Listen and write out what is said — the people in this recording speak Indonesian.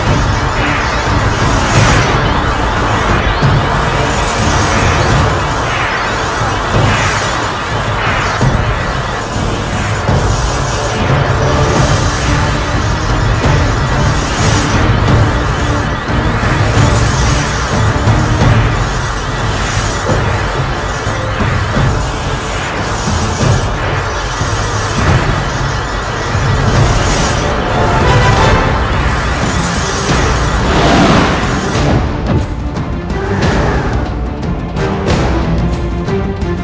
apa yang terjadi